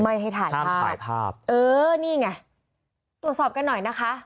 ไม่ให้ถ่ายภาพถ่ายภาพเออนี่ไงตรวจสอบกันหน่อยนะคะ